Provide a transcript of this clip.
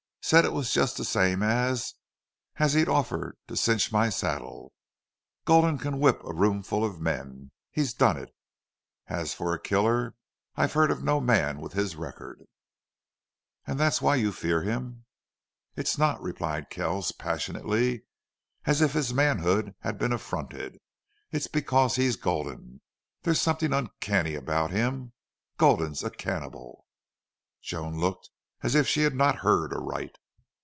Said it just the same as as he'd offer to cinch my saddle. Gulden can whip a roomful of men. He's done it. And as for a killer I've heard of no man with his record." "And that's why you fear him?" "It's not," replied Kells, passionately, as if his manhood had been affronted. "It's because he's Gulden. There's something uncanny about him.... Gulden's a cannibal!" Joan looked as if she had not heard aright.